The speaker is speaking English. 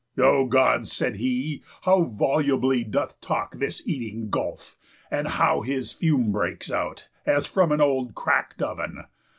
"O Gods," said he, "how volubly doth talk This eating gulf! And how his fume breaks out, As from an old crack'd oven!